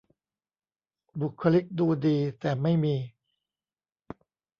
บุคลิกดูดี แต่ไม่มี